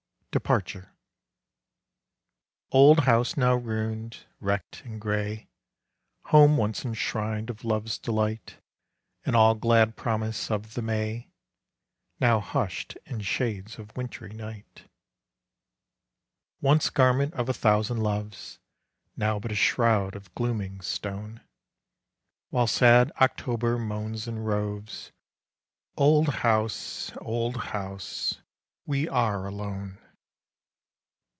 Departure Old house now ruined, wrecked and gray, Home once enshrined of love's delight And all glad promise of the May, Now hushed in shades of wintry night, Once garment of a thousand loves, Now but a shroud of glooming stone, While sad October moans and roves, Old house, old house, we are alone!